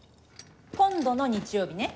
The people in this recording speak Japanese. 今度の日曜日ね？